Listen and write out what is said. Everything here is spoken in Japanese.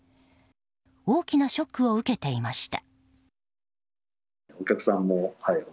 大きなショックを受けていました。